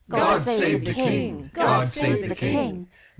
God save the king, God save the king!